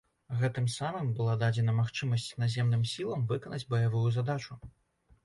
Гэтым самым была дадзена магчымасць наземным сілам выканаць баявую задачу.